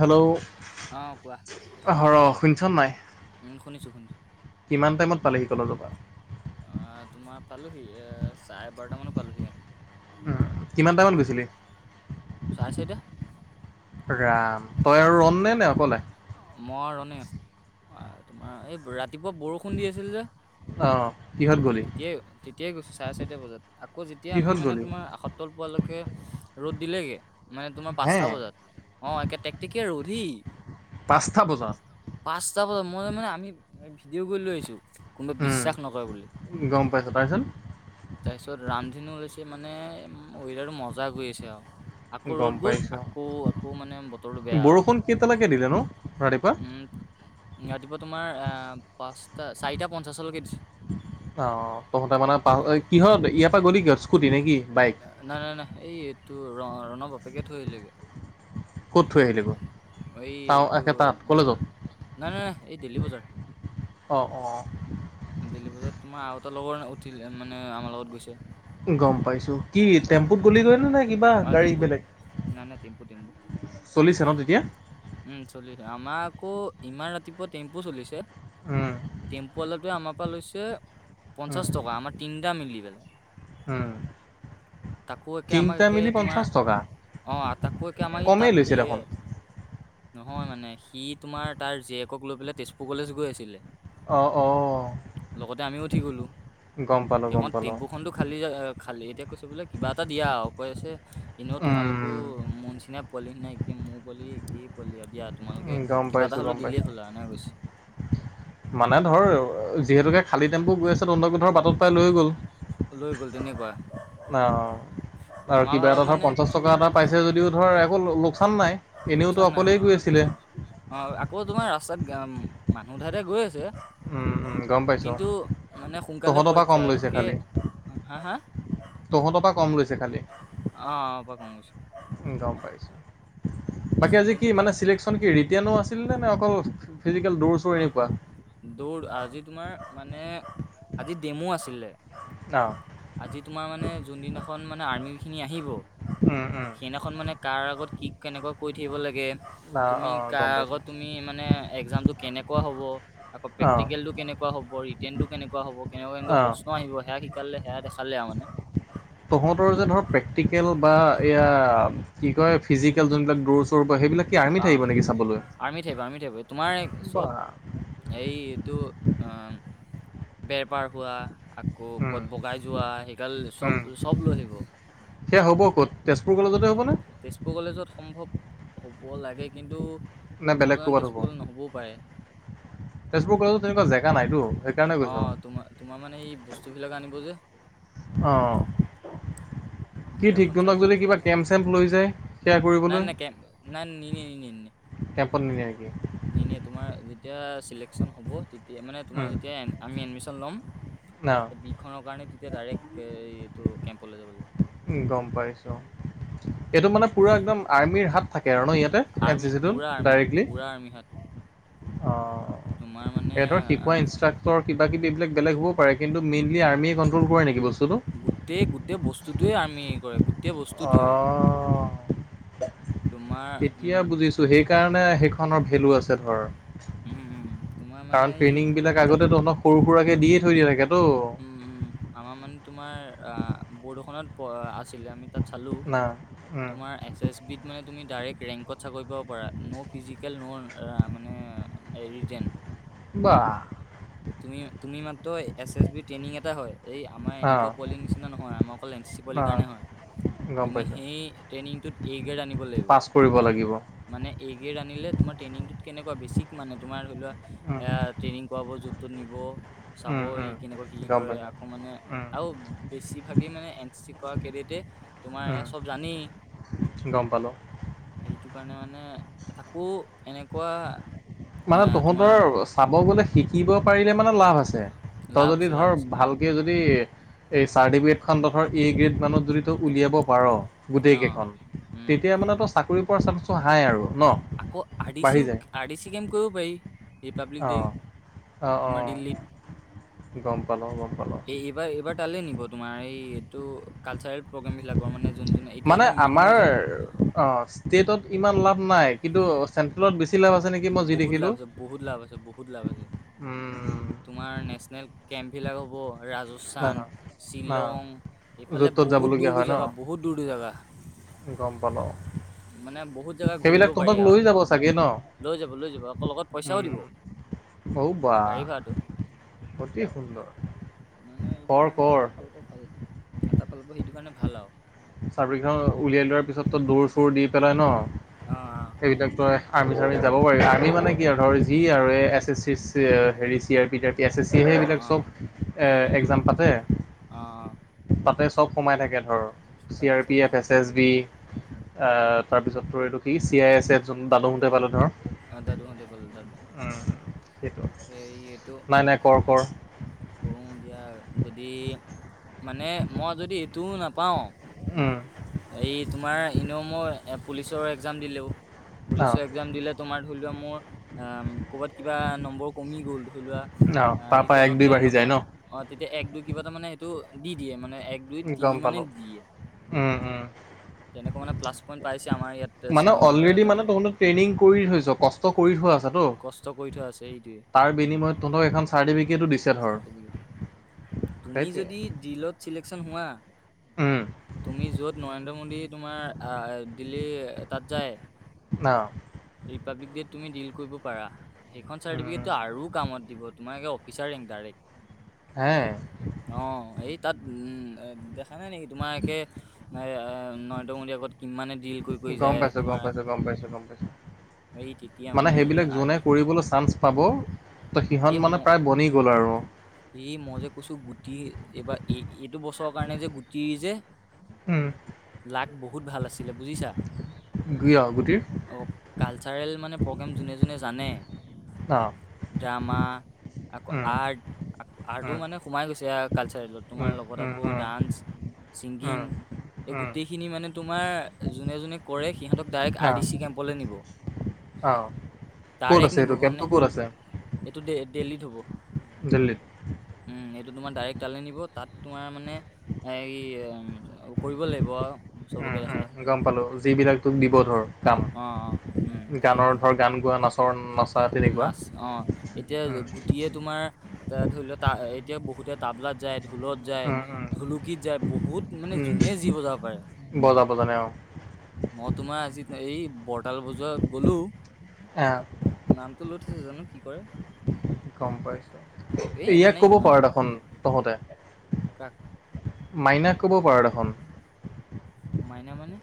Hello. অ' কোৱা। [unintelligible] শুনিছোঁ নাই। শুনিছোঁ শুনিছোঁ। কিমান টাইমত পালেহি [unintelligible] পৰা। অ' তোমাৰ পালোহি এ, চাৰে বাৰটা মানত পালোহি। উম, কিমান টাইমত গৈছিলি? চাৰে চাৰিটা ৰাম, তই আৰু ৰণনে নে অকলে? মই ৰণে। এ, তোমাৰ এই ৰাতিপুৱা বৰষুণ দি আছিল যে। অঁ কিহত গ'লি তেতিয়াই তেতিয়াই গৈছোঁ চাৰে চাৰিটা বজাত আকৌ যেতিয়া আমি কিহত মানে গ'লি তোমাৰ আসত তল পোৱালৈকে ৰ'দ দিলেগে মানে তোমাৰ হে পাঁচটা বজাত। অ' একে টেকটেকিয়া ৰ'দহি। পাঁচটা ব পাঁচটা বজাত মই মানে আমি ভিডিঅ' কৰি লৈ আহিছোঁ। কোনোবাই উম, বিশ্বাস নকৰে বুলি। গম পাইছোঁ তাৰপিছত তাৰপিছত ৰামধেনু ওলাইছে মানে [unintelligible] মজা গৈ আছে আৰু। আকৌ গম ৰ'দ গ'ল পাইছোঁ আকৌ আকৌ মানে বতৰটো বেয়া আৰু। [unintelligible] দিলে ন'। উম, ৰাতিপুৱা তোমাৰ পাঁচটা চাৰিটা পঞ্চাছলৈকে দিছে। অ' তহঁতে মানে পাহ কিহঁত ইয়াৰ পৰা গ'লি কি স্কুটি নেকি বাইক? নাই নাই নাই এই এইটো ৰ ৰণৰ বাপেকে গৈ থৈ আহিলগে। ক'ত থৈ আহিলেগৈ? এই এইটো দে, নাই নাই নাই এই দিল্লী বজাৰ। অ', অ'। দিল্লী বজাৰত তোমাৰ আৰু এটা লগৰ উঠিলে মানে আমাৰ লগত গৈছে। গম পাইছোঁ, কি টেম্পুত গ'লি গৈনে নাই কিবা আৰু গাড়ী টেম্পুত বেলেগ? নাই নাই টেম্পু টেম্পু। চলিছে ন' তেতিয়া? উম, চলিছে আমাৰ আকৌ ইমান ৰাতিপুৱা টেম্পু চলিছে, উম, টেম্পু অলপ [unintelligible] আমাৰ পৰা লৈছে, উম, পঞ্চাশ টকা আমাৰ তিনিটা মিলি পেলে। উম। তাকো একে আমাক তিনিটা একে মিলি তোমাৰ পঞ্চাশ টকা অ' তাকো একে আমাৰ ই কমেই তাত লৈছে এ দেখোন। নহয় মানে সি তোমাৰ তাৰ জীয়েকক লৈ পেলাই তেজপুৰ কলেজ গৈ আছিলে। অ', অ'। লগতে আমিও উঠি গ'লোঁ। গম পালোঁ, গম [unintelligible] পালোঁ, টেম্পুখনতো খালী খালি এতিয়া কৈছোঁ বোলে কিবা এটা দিয়া আৰু কৈ আছে এনেও তোমালোকো উম। মোৰ নিচিনা পোৱালি নিচিনা একেই ময়ো পোৱালি কি পোৱালি দিয়া তোমালোকে উম, গম কিবা এটা পাইছোঁ, হ'লেও গম দিলেই পাইছোঁ। হ'ল আৰু এনেকে কৈছে। মানে ধৰ যিহেতুকে খালী টেম্পু গৈ আছে তণ্ডক ধৰ বাটত পাই লৈ গ'ল। অ' লৈ গ'ল তেনেকুৱা আৰু আমাৰ কিবা ভাগত এটা ধৰ মানে পঞ্চাছ টকা এটা পাইছে যদিও ধৰ একো লোকচান নাই, এনেওতো লোকচান নাই অকলেই হোৱা কৈ আৰু। আছিলে। অ' আকৌ তোমাৰ ৰাস্তাত [unintelligible] মানুহ উঠাই উঠাই গৈ আছে। উম, উম, গম পাইছোঁ। কিন্তু মানে সোনকালে [unintelligible] তহঁতৰ পৰা দিছে কম লৈছে একে, খালি, হা হা? তহঁতৰ পৰা কম লৈছে খালি, অ' [unintelligible] উম, গম পাইছোঁ, বাকী আজি কি ষ্টুডেন্ট পাই মানে চিলেক [unintelligible] ৰিতেনো আছিলনে নে অকল ফিজিকেল দৌৰ চৌৰ এনেকুৱা? দৌৰ আজি তোমাৰ মানে আজি ডেমো আছিলে। অ'। আজি তোমাৰ মানে যোনদিনাখন মানে আৰ্মি খিনি আহিব। অ', অ'। সেইনাখন মানে কাৰ আগত কি কেনেকুৱা কৈ থাকিব লাগে, অ তুমি অ কাৰ গম পাইছোঁ আগত তুমি মানে একজাম টো কেনেকুৱা হ'ব। অ প্ৰেক্টিকেলটো কেনেকুৱা হ'ব, ৰিটেৰনটো কেনেকুৱা হ'ব, কেনেকুৱা অ কেনেকুৱা প্ৰশ্ন আহিব সেয়া শিক শিকালে সেয়া দেখালে আৰু মানে। তহঁতৰ যে ধৰক প্ৰেক্টিকেল বা এয়া কি কয় ফিজিকেল যোনবিলাক দৌৰ-চৌৰ বা সেইবিলাক কি আৰ্মিত অ আহিব নেকি চাবলৈ আৰ্মিত থাকিব, আৰ্মিত থাকিব। তোমাৰ বা চব হেৰি এইটো অ বেৰ পাৰ হোৱা, আকৌ উম ক'ত বগাই যোৱা সেই গাল উম চব চব লৈ আহিব। সেয়া হ'ব ক'ত? তেজপুৰ কলেজতে হ'বনে? তেজপুৰ কলেজত সম্ভৱ হ'ব লাগে, কিন্তু নে মই বেলেগ জনাত ক'ৰবাত হ'ব তেজপুৰলৈ নহ'বও পাৰে। তেজপুৰ কলেজত তেনেকুৱা জেগা নাইতো সেইকাৰণে কৈছো। অ তোমাৰ তোমাৰ মানে এই বস্তুবিলাক আনিব যে। অ কি ঠিক বেৰখন চাই তহনতক যদি পেলাই কিবা কেম্প-চেম্প লৈ যায়। সেয়া নাই কৰিবলৈ নাই কে নাই নিনিয়ে নিনিয়ে নিনিয়ে। কেম্পত নিনিয়ে নেকি? নিনিয়ে তোমাৰ যেতিয়া চিলেকশন হ'ব, মানে তোমাৰ উম যেতিয়া আমি এডমিশন ল'ম অ শিক্ষণৰ কাৰণে তেতিয়া ডাইৰেক্ট এই এইটো কেম্পলৈ যাব লাগিব। গম পাইছো। এইটো মানে পুৰা একদম আৰ্মিৰ হাত থাকে আৰু ন ইয়াতে, এন আৰ্মি চি চিটো পুৰা আৰ্মি ডাইৰেক্টলি। পুৰা আৰ্মি হাত তোমাৰ মানে এহঁৰ শিকোৱা আহ ইনষ্ট্ৰাক্টৰ কিবা কিব এইবিলাক বেলেগ হ'ব পাৰে। কিন্তু মেইনলি আৰ্মমে কনট্ৰল কৰে নেকি বস্তুটো? গোটেই গোটেই বস্তুটোৱেই আমি সেই কৰে গোটেই বস্তুটোৱেই। অ' এতিয়া বুজিছো সেইকাৰণে সেইখনৰ ভেলু আছে ধৰ। উম উম তোমাৰ মানে কাৰণ এই ট্ৰেইনিং আমি বিলাক তাত আগতে অলপ সৰু সুৰাকে দিয়ে থৈ দিয়ে থাকে তো। উম উম আমাৰ মানে তোমাৰ বৰদোখনত আছিলে আমি তাত চালো না উম তোমাৰ এছএছ বি ত মানে তুমি ডাইৰেক চাকৰি পৰা ন' ফিজিকেল ন' মানে ৰিটেন। বাহ। তুমি তুমি মাত্ৰ এছ এছ বি ট্ৰেইনিং এটা হয়, এই আমাৰ এনেকুৱা অ' পলিং মেচিনা নহয়। আমাক অকল এন চি পলিৰ অ' কাৰণে হয়। গম তুমি পাইছোঁ সেই ট্ৰেইনিংটোত এগ্ৰেড আনিব লাগিব। পাছ কৰিব লাগিব মানে এগ্ৰেড আনিলে, তোমাৰ ট্ৰেইনিংত কেনেকুৱা বেছিক মানে তোমাৰ ধৰি লোৱা উম ট্ৰেইনিং কৰা য'ত নিব চাব উম ই উম কেনেকুৱা কি কি গম কৰে পাইছোঁ আকৌ মানে, উম আৰু বেছি ভাগি মানে এন চি চি কেৰডিতে তোমাৰ এই উম চব জানেই। গম পালোঁ সেইটো কাৰণে মানে থাকো এনেকুৱা এ মানে তোমাৰ তহঁতৰ চাব গ'লে শিকিব পাৰিলে মানে লাভ তই লাভ যদি আছে লাভ ধৰ আছে ভাল যদি এই চাৰ্টিফিকেট খন এ গ্ৰেড মানুত যদি তই উলিয়াব পাৰো অ গোটেই কেইখন। উম তেতিয়া মানে তোৰ চাকৰি পোৱাৰ চান্সটো হাই আৰু। ন আকৌ আদিশি বাঢ়ি যায় আ়দিশি কেম কৰিব পাৰি। ৰিপাব্লিক ডে অঁ অঁ তোমাৰ অঁ দিল্লীত গম পালো গম পালো। তালে নিব তোমাৰ এই এইটো কালচাৰেল প্ৰগ্ৰেম বিলাকৰ মানে যোনোন এতিয়া যে মন্ময় যে অ ষ্টেটত ইমান লাভ নাই। কিন্তু চেন্ট্ৰেলত বেছি লাভ আছে। নেকি মই যি বহুত লাভ দেখিলোঁ আছে। বহুত লাভ আছে, বহুত লাভ আছে। উম তোমাৰ নেচনেল কেম্প বিলাক হ'ব ৰাজ না ছান, না শ্বিলং এইফালে য'ত ত'ত বহুত দূৰ যাবলগীয়া হয় দূৰ ন জেগা, বহুত দূৰ দূৰ জেগা। গম পালো। মানে বহুত জেগা ঘূৰিব পাৰি আৰু। যাব চাগে ন। লৈ যাব, লৈ যাব, আকৌ লগত পইচাও উম, দিব ঔ গাড়ী ভাড়াটো। শূন্য। মানে এইটো কাৰণে এটা ফালক ভাল এটা ফাল পৰা সেইটো কাৰণে ভাল আৰু। চাৰভি খন উলিয়াই লোৱাৰ পিছত তো দৌ চোৰ দি পেলাই ন অ', অ'। এইবিলাক তই আৰ্মি চাৰ্মিত যাব পাৰি আৰ্মি মানে কি আৰু ধৰ যি আৰু এই এছ এছ চি হেৰি C R P S S C সে অ অ এইবিলাক অ চব উম উম এক্সাম পাতে। অ তাতে চব সোমাই থাকে ধৰ চি তাতে আৰ পি চক এফ মাৰি এছ এছ বি তাৰপিছত এইটো কি চি আই চেফ বালুহোতে পালো ধৰ অ', দাদু হতে পালে দাদু উ, সেইটো তাকে নাই নাই কৰ কৰ। কৰো দিয়া যদি মানে মই যদি এইটোও নাপাওঁ। উম। এই তোমাৰ এনেও ম ই পুলিচৰ এক্সাম দিলেও অ পুলিচৰ এক্সাম দিলে তোমাৰ ধৰি লোৱা মোৰ অ', কবাত কিবা নম্বৰ কমি গ'ল ধৰি লোৱা অ তাৰ পৰা এক ৰিটেনতে দুই বাঢ়ি যায় নহয় ন অ', তেতিয়া এক দুই কিবাটা মানে সেটো দি দিয়ে মানে এক দুই তিনি গম মানে পালোঁ, দিয়ে উম, উম। তেনেকুৱা মানে প্লাছ পইণ্ট পাইছে আমাৰ ইয়াত মানে ছিনিয়ৰ অলৰেডি মানে এটাই। তহঁতৰ ট্ৰেইনিং কৰি থৈছ কষ্ট কষ্ট কৰি থোৱা আছেতো কষ্ট কৰি থোৱা আছে সেইটোৱে তাৰ বিনিময়ত তহঁতক এখন চাৰ্টিফিকেটো দিছে ধৰ চাৰ্টিফিকেট [inaudible] তুমি সেইটোৱে। যদি ডিলত চিলেকচন হোৱা উম, তুমি য'ত নৰেন্দ্ৰ মোডী তোমাৰ দিল্লীৰ তাত যায় ন। ৰিপাব্লিক ডেত তুমি দিল কৰিব পাৰা সেই খন উম। চাৰ্টিফিকেটো আৰু কামত দিব তোমাৰ ফিচাৰেং ডাইৰেক্ট হে। অ', এই তাত উম দেখা নাই নেকি তোমাৰ একে নাই নৰেন্দ্ৰ মোদীৰ আগত কিমানে দিল গম পাইছোঁ, গম পাইছোঁ, গম পাইছোঁ গম পাইছোঁ এই তেতিয়া মানে সেই সেইবিলাক আৰ- যোনে কৰিবলৈ চান্স পাব তো সিহঁত এই ম মানে প্ৰায় বনি গ'ল আৰু এই মই যে কৈছোঁ গুটি এইবাৰ এই এইটো বছৰৰ কাৰণে যে গুটি যে উম, লাক বহুত ভাল আছিলে বুজিছা। [unintelligible] গুটিৰ অ', কালচাৰেল মানে প্ৰগ্ৰেম যোনে, যোনে জানে অ', ড্ৰামা আকৌ উম, আৰ্ট আ আৰ্টো উম। মানে সোমাই গৈছে কালচাৰেলত উম, তোমাৰ লগত উম, আকৌ উম, ডান্স ছিংগিং উম, এই উম, গোটেইখিনি মানে তোমাৰ যোনে যোনে কৰে সিহঁতক ডাইৰেক্ট আৰ অ', ডি চি কেম্পলৈ নিব। অ', ক'ত ডাইৰেক্ট আছে নিব এইটো কেমক মানে ক'ত আছে। এইটো দে দেল্লীত হ'ব। দিল্লী। উম, এইটো তোমাৰ ডাইৰেক্ট তালৈ নিব তাত তোমাৰ মানে এই কৰিব লাগিব। উম, চবকে উম, দেখাই গম পালো যিবিলাক তোক দিব ধৰ কাম। অ অ উম গানৰ ধৰ গান গোৱা নাচৰ নাচ নাচ অ'। এতিয়া গুটিয়ে তোমাৰ এ ধৰি লোৱা ত এতিয়া বহুতে তাবলাত যায় ঢোলত যায় উম উম ঢুলুকিত যায় বহুত মানে যোনে যি বজাব পাৰে। বজা বজা নে অ'। মই তোমাৰ আজি এই বৰৰতাল বজাৰাত গ'লো। অ' নামটো লৈ থৈছে জানো কি কৰে। গম পাইছো। এই ইয়াক মানে ক'ব ইমান পাৰ দেখোন তহঁতে কাক? মাইনাক ক'ব পাৰ দেখোন। মাইনা মানে?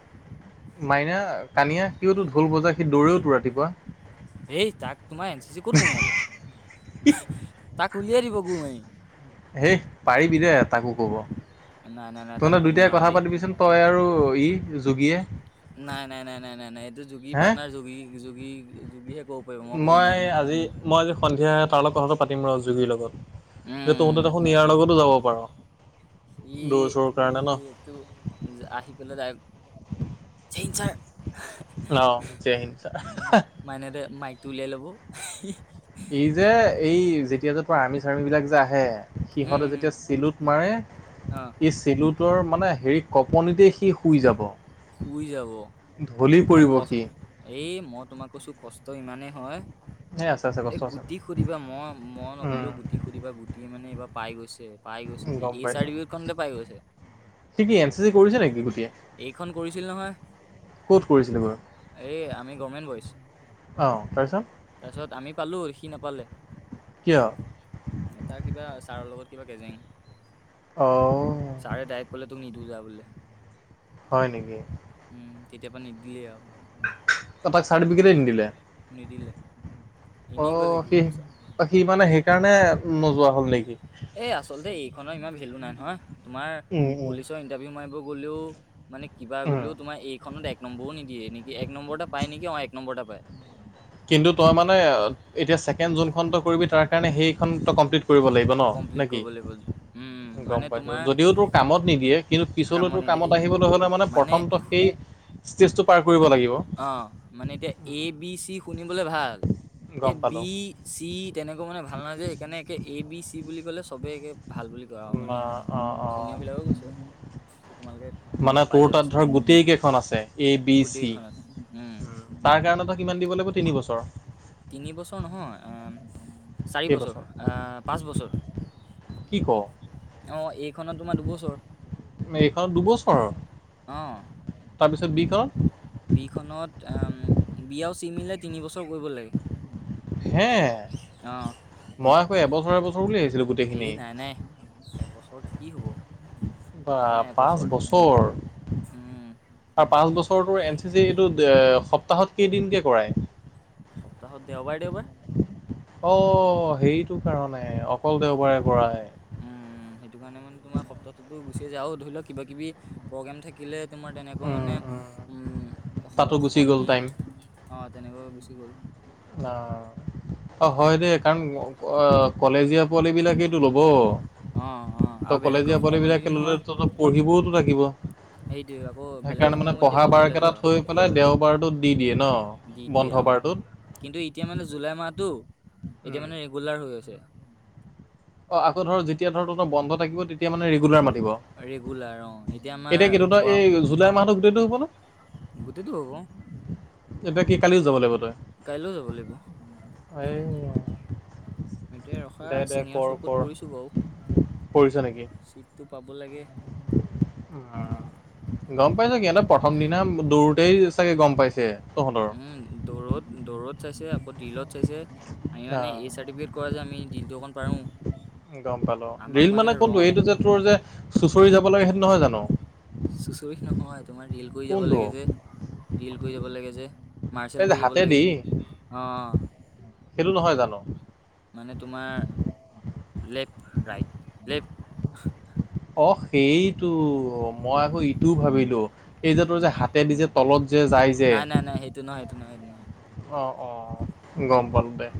মাইনা কানিয়া সিওতো ঢোল বজা সি দৌৰেওতো ৰাতিপুৱা। হেই তাক তোমাৰ এন চি চি ক'ত সুমিয়াব তাক উলিয়াই দিব গুৰ মাৰি। হেই পাৰিবি দে তাকো ক'ব। নাই নাই নাই তাক তহতে ক'ব দুইটাই নোৱাৰা কথা দেই পাতিবিচোন তই আৰু ই যোগীয়ে। নাই, নাই, নাই, নাই, নাই, নাই, এইটো যোগী হে পাটনাৰ যোগী যোগী যোগীহে ক'ব পাৰিব ক'ব মই নোৱাৰিম আজি মই আজি সন্ধিয়া তাৰ লগত কথাটো পাতিম ৰ জোগীৰ লগত। যে উম তহঁতে দেখোন মা- ইিয়াৰ লগতো যাব পাৰ দূৰ চোৰ কাৰণে ন। টো আহি পেলাই তাইনাৰ। অ' জয় হিংঞ্চা মাইহতে মাইকটো উলিয়াই ল'ব। এই যে এই যেতিয়া যে তৰা আৰ্মি চাৰ্মি বিলাক যে আহে। উম সিহঁতে উম যেতিয়া চিলোত মাৰে অ ই চিলোত তৰ মানে হেৰি কঁপনিতে সি শুই যাব। শুই যাব। ঢলি আৰু পৰিব ক সি এই মই তোমাক কৈছো কষ্ট ইমানেই হয়। সেই আছে আছে এ কষ্ট আছে গুটি সুধিবা মই মই উম নকলেও গুটি সুধিবা গুটি মানে এইবাৰ পাই গৈছে। পাই গৈছে সি গম এই পাইছোঁ চাৰ্টিফিকেট খতে পাই গৈছে। সি কি এন চি চি কৰিছে নেকি গোটেই এইখন কৰিছিল নহয় ক'ত কৰিছিলে গৈ? এই আমি গভমেণ্ট বৌচ। অ' তাৰপিচত তাৰপিছত আমি পালোঁ আৰু সি নাপালে। কিয়? ন তাৰ কিবা ছাৰৰ লগত কিবা কেজেং। অ'। ছাৰে তাইেক কলে তোক নিদিওঁ যা বোলে। হয় নেকি। উম, তেতিয়াৰ পৰা নিদিলে আৰু। তাক চাৰ্টিফিকেট নিদিলে নিদিলে অ' এনেই গ'ল সি বছৰ সি মানে সেইকাৰণে নোযোৱা হ'ল নেকি? এই আচলতে এইখনৰ ইমান ভেলু নাই নহয় তোমাৰ উম উম পুলিচৰ ইণ্টাৰভিউ মাৰিব গ'লেও মানে কিবা উম গ'লেও তোমাৰ এইখনত এক নম্বৰো নিদিয়ে নেকি এক নম্বৰ এটা পায় নেকি অ' এক নম্বৰ এটা পায়। কিন্তু তই মানে এতিয়া ছেকেণ্ড জোনখনতটো কৰিবি তাৰ কাৰণে সেইখন কমপ্লিট কৰিব লাগিব ন নে কমপ্লিট কি কৰিব লাগিব উম গম মানে পাইছো তোমাৰ যদিও তোৰ কামত নিদিয়ে কিন্তু পিছলৈতো নিদিয়ে কামত সেই আহিবলৈ হ'লে মানে প্ৰথমটো সেই ষ্টেজটো পাৰ কৰিব লাগিব। অ' মানে এতিয়া এ বি চি শুনিবলে ভাল এ গম পালো বি চি তেনেকুৱা মানে ভাল নহয় যে সেইকাৰণে একে এ বি চি বুলি ক'লে চবেই একে ভাল বুলি কয় আৰু ন মানে অ', চিনিয়ৰ অ'। বিলাকেও কৈছে যে তোমালোকে মানে পাই তোৰ যাবা তাত চি ধৰ গোটেই কেইখন আছে এ বি চি। গোটেইকেইখন আছে উম উ তাৰ কাৰণ তই কিমান দিব লাগিব তিনি বছৰ? তিনিবছৰ নহয় চাৰিবছৰ কেইবছৰ পাঁচ বছৰ। কি ক অ' এইখনত তোমাৰ দুবছৰ। এইখনত অ দুবছৰৰ তাৰপিছত বিখনত? বিখনত আম বি আৰু চি মিলাই তিনিবছৰ কৰিব লাগে হে অ'। মই আকৌ এবছৰ এবছৰ বুলি ভাবিছিলো। হে নাই নাই এবছৰত কি হ'ব। বা তোমাৰ পাঁচ এবছৰত বছৰ, উম পাঁচ বছৰ বছৰ তোৰ এন চি চি এইটো সপ্তাহত কেইদিন কে কৰাই? সপ্তাহত দেওবাৰে দেওবাৰে। অ', সেইটো কাৰণে অকল দেওবাৰে কৰা। উম। উম, সেইটো কাৰণে মানে তোমাৰ সপ্তাহতোটো গুচিয়ে যায় আৰু ধৰি লওঁ কিবা কিবি প্ৰগ্ৰেম থাকিলে তোমাৰ তেনে কুৱা উম, মানে উম। তাতো উম গুচি গ'ল শনি টাইম অ' তেনেকৈ গুচি গ'ল। অ'। অ', হয় দেই কাৰণ কলেজীয়া পোৱালি বিলাকেইটো ল'ব। অ অ আৰু ত' বেলেগকৈ কলেজীয়া সোমাব পোৱালিবিলাকে নিদিয়ে নহয় ল'লেতো পঢ়িবওতো লাগিব। সেইটোৱে আকৌ বেলেগকৈ সেইকাৰণে মানে সোমাব নিদিয়ে পঢ়া অকল বাৰ কলেজৰ কেইটাত থৈ পেলাই দেওবাৰটো দি দিয়ে ন? আৰু দি দিয়ে বন্ধ অ বাৰটোত। কিন্তু এতিয়া মানে জুলাই মাহতটো এতিয়া উম। মানে ৰেগুলাৰ হৈ আছে। অ', আকৌ ধৰ যেতিয়া ধ তৌৰ বন্ধ থাকিব তেতিয়া মানে ৰেগুলাৰ মাতিব? ৰেগুলাৰ অ আমাৰ এতিয়া কি তো গৰম এই জুলাই মাহতৰ গোটেইটো হ'ব নে? গোটেইটো হ'ব। এতিয়া কি কালিও যাব লাগিব তই? কাইলৈও যাব লাগিব। এই এতিয়া ৰখা দে দে চিনিয়ৰ কৰ চকুত কৰ পৰিছোঁ বাৰু ছিটটো পাব লাগে। উম। গম পাইছ সিহঁতে প্ৰথম দিনা দৌৰোতেই চাগে গম পাইছে তহঁতৰ। উম, দৌৰত-দৌৰত চাইছে আকৌ দিলত চাইছে। আমি মানে এই চাৰ্টিফিকেট কৰা যে আমি দিলটো অকণ পাৰো। গম পালো ৰিল আমাক মানে কোনটো ৰ এইটো যে তোৰ যে চুঁচৰি যাব লাগে সেইটো নহয় জানো? চুচৰি নহয়, তোমাৰ ডিল কৰি যাব কোনটো লাগে যে ডল কৰি যাব লাগে যে। এই মাৰ্চেল যে কৰি যাব লাগে হাতেদি অ' অ'। সেইটো নহয় জানো? মানে তোমাৰ লেফট ৰাইট লেফ্ট অ', সেইটো অ'। মই আকৌ উম ইটোও ভাবিলো এই যে তোৰ যে নাই নাই হাতে দি যে তলত যে যায় যে। নাই নাই নাই সেইটো নহয় সেইটো নহয় সেইটো নহয় অ', অ', গম পালো দে।